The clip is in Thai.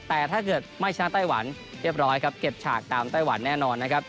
แต่ถ้าเกิดไม่ชนะไต้หวันเรียบร้อยครับเก็บฉากตามไต้หวันแน่นอนนะครับ